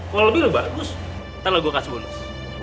kalau lebih lebih bagus nanti gue kasih bonus